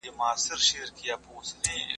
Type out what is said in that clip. ابن خلدون د اسلامي نړۍ یو ستر ټولنپوه دی.